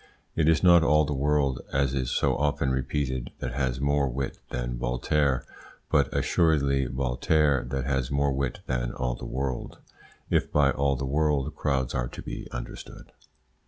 It is not all the world, as is so often repeated, that has more wit than Voltaire, but assuredly Voltaire that has more wit than all the world, if by "all the world" crowds are to be understood.